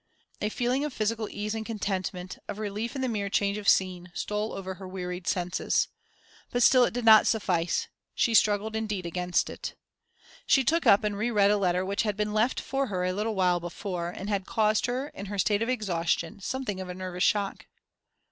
A feeling of physical ease and contentment, of relief in the mere change of scene, stole over her wearied senses. But still it did not suffice; she struggled indeed against it. She took up and re read a letter which had been left for her a little while before, and had caused her, in her state of exhaustion, something of a nervous shock.